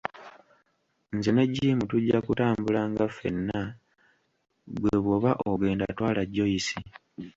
Nze ne Jim tujja kutambulanga fenna; ggwe bw'oba ogenda twala Joyce.